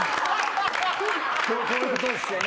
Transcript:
こういうことですよね。